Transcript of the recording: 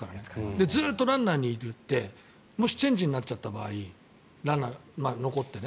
で、ずっとランナーにいてもしチェンジになっちゃった場合ランナーが残ってね。